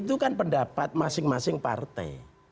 itu kan pendapat masing masing partai